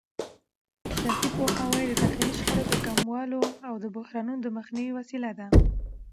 سیاسي پوهاوی د داخلي شخړو د کمولو او بحرانونو د مخنیوي وسیله ده